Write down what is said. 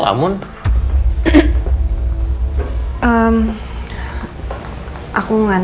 kalo nino ini menurutmu anggaran